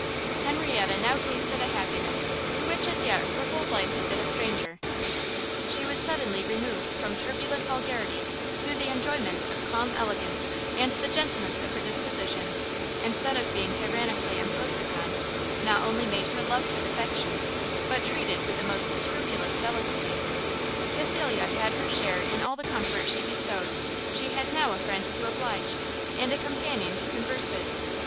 Henrietta now tasted a happiness to which as yet her whole life had been a stranger; she was suddenly removed from turbulent vulgarity to the enjoyment of calm elegance; and the gentleness of her disposition, instead of being tyrannically imposed upon, not only made her loved with affection, but treated with the most scrupulous delicacy. Cecilia had her share in all the comfort she bestowed; she had now a friend to oblige, and a companion to converse with.